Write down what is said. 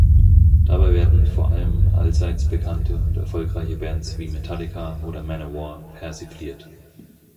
Dabei werden vor allem allseits bekannte und erfolgreiche Bands wie Metallica oder Manowar persifliert.